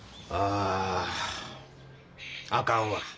ああかんわ。